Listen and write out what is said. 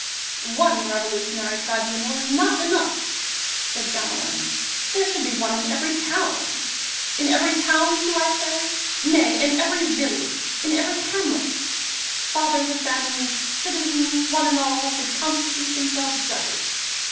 "One Revolutionary Tribunal is not enough," said Gamelin, "there should be one in every town ... in every town, do I say? nay, in every village, in every hamlet. Fathers of families, citizens, one and all, should constitute themselves judges.